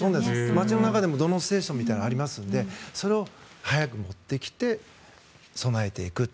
街の中でも土嚢ステーションがありますのでそれを早く持ってきて備えていくと。